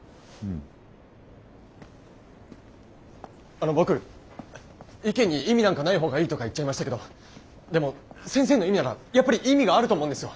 あの僕意見に意味なんかない方がいいとか言っちゃいましたけどでも先生の意味ならやっぱり意味があると思うんですよ。